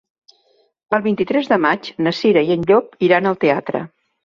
El vint-i-tres de maig na Cira i en Llop iran al teatre.